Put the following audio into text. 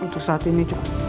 untuk saat ini